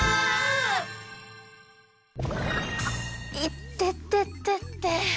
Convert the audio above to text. いてててて。